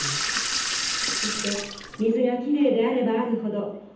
そして水がきれいであればあるほど種類も豊富です。